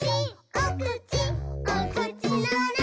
おくちおくちのなかに」